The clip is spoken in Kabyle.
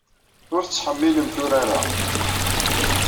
Ur tettḥemmilemt urar-a.